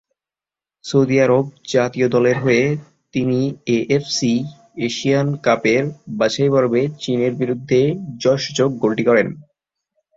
Saudi Arab জাতীয় দলের হয়ে, তিনি এএফসি এশিয়ান কাপের বাছাইপর্বে চীনের বিরুদ্ধে জয়সূচক গোলটি করেন।